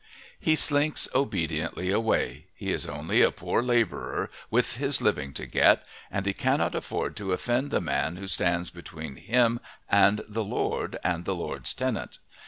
He slinks obediently away; he is only a poor labourer with his living to get, and he cannot afford to offend the man who stands between him and the lord and the lord's tenant.